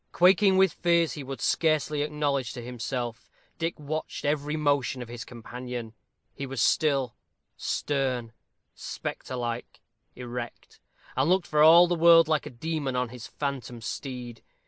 Quaking with fears he would scarcely acknowledge to himself, Dick watched every motion of his companion. He was still, stern, spectre like, erect; and looked for all the world like a demon on his phantom steed.